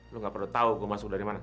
lu gak perlu tahu gue masuk dari mana